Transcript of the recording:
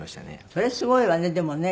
それすごいわねでもね。